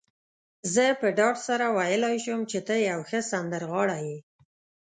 زه په ډاډ سره ویلای شم، ته یو ښه سندرغاړی يې.